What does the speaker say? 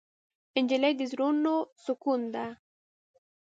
نجلۍ د زړونو سکون ده.